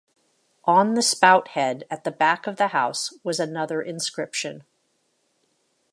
On the spout head at the back of the house was another inscription.